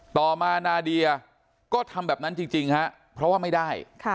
ต่อมานาเดียก็ทำแบบนั้นจริงฮะเพราะว่าไม่ได้